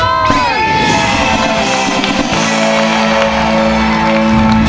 สวัสดีครับคุณผู้ชม